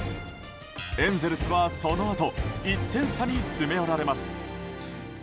エンゼルスはそのあと１点差に詰め寄られます。